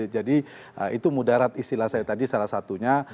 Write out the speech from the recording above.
jadi itu mudarat istilah saya tadi salah satunya